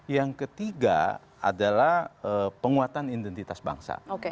yang ketiga adalah penguatan identitas bangsa